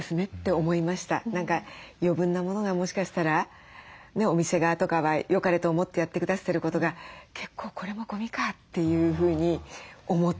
何か余分なものがもしかしたらねお店側とかはよかれと思ってやってくださってることが結構これもゴミかというふうに思ってしまいました。